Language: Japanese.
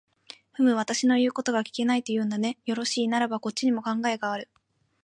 ふむ、私の言うことが聞けないと言うんだね。よろしい、ならばこっちにも考えがある。